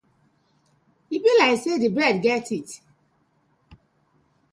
E bi like say di bread get teeth.